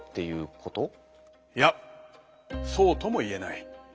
いやそうとも言えない。